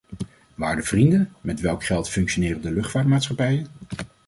Waarde vrienden, met welk geld functioneren de luchtvaartmaatschappijen?